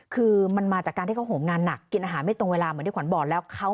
คือมันมาจากการที่เขาห่มงานหนักกินอาหารไม่ตรงเวลา